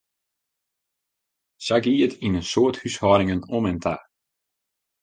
Sa gie it yn in soad húshâldingen om en ta.